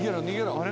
あれ？